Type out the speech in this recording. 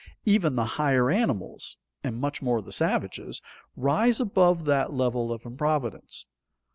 Even the higher animals, and much more the savages, rise above that level of improvidence.